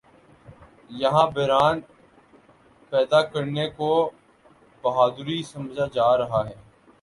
یہاں بحران پیدا کرنے کو بہادری سمجھا جا رہا ہے۔